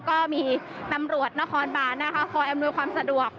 ก็มีตำรวจนครบานนะคะคอยอำนวยความสะดวก